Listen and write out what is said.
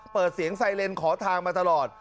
เปิดเสียงไซเรนขอทางมาตลอด